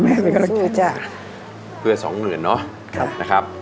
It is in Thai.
ยัดเหงื่อเพื่อสองเหงื่อนเนอะครับ